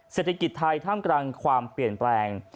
เศรษฐกิจไทยท่ามกลางความเปลี่ยนแปลง